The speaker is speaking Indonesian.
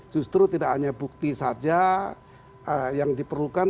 justru tidak hanya bukti saja yang diperlukan